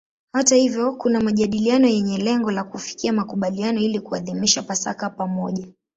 Hata hivyo kuna majadiliano yenye lengo la kufikia makubaliano ili kuadhimisha Pasaka pamoja.